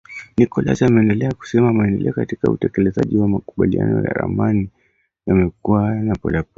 Nicholas ameendelea kusema maendeleo katika utekelezaji wa makubaliano ya Amani yamekuwa ya polepole